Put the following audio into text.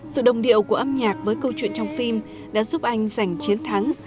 sự đồng điệu của âm nhạc với câu chuyện trong phim đã giúp anh giành chiến thắng